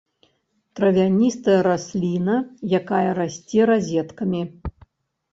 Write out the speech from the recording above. Травяністая расліна, якая расце разеткамі.